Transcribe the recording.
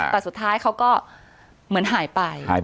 แต่สุดท้ายเขาก็เหมือนหายไป